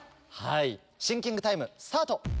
シンキングタイムスタート！